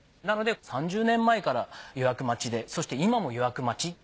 なので３０年前から予約待ちでそして今も予約待ち。